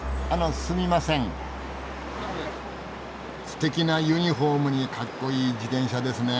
すてきなユニフォームにかっこいい自転車ですね。